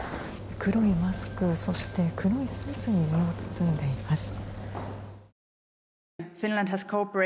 黒いマスクを、そして黒いスーツに身を包んでいます。